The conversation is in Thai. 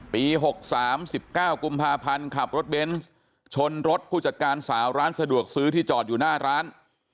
ปี๖๓๑๙กุมภาพันธ์ขับรถเบนส์ชนรถผู้จัดการสาวร้านสะดวกซื้อที่จอดอยู่หน้าร้าน